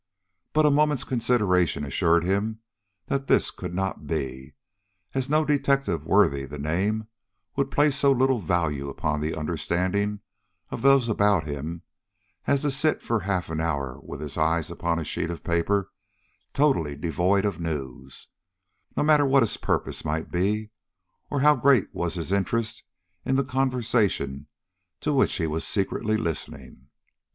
But a moment's consideration assured him that this could not be, as no detective worthy the name would place so little value upon the understanding of those about him as to sit for a half hour with his eyes upon a sheet of paper totally devoid of news, no matter what his purpose might be, or how great was his interest in the conversation to which he was secretly listening.